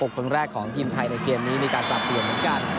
คนแรกของทีมไทยในเกมนี้มีการปรับเปลี่ยนเหมือนกัน